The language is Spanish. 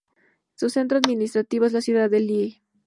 Su centro administrativo es la ciudad de Lille.